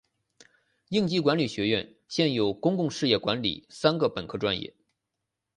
应急管理学院现有公共事业管理三个本科专业。